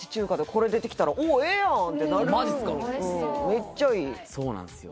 めっちゃいいそうなんすよ